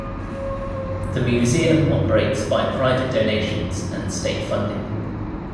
The museum operates by private donations and state funding.